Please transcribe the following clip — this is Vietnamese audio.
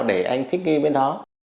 thì anh thích ghi bên đó